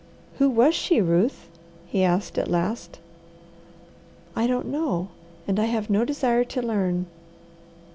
"Who was she, Ruth?" he asked at last. "I don't know, and I have no desire to learn."